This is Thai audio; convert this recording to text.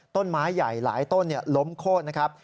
ต้นไม้ใหญ่หลายต้นล้มโค้นนะครับ